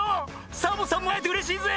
サボさんもあえてうれしいぜ！